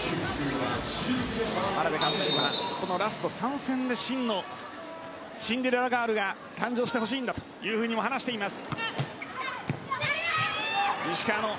眞鍋監督はラスト３戦で真のシンデレラガールが誕生してほしいんだと話しています。